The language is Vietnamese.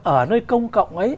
ở nơi công cộng ấy